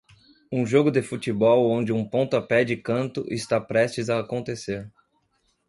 Um jogo de futebol onde um pontapé de canto está prestes a acontecer.